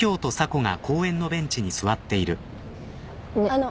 あの。